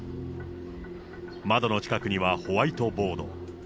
窓の近くにはホワイトボード。